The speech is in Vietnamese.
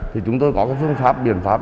thì chúng tôi có phương pháp biện pháp